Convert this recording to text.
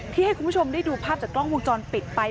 ให้คุณผู้ชมได้ดูภาพจากกล้องวงจรปิดไป